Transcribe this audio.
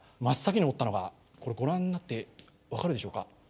真っ先に思ったのがご覧になって分かるでしょうか？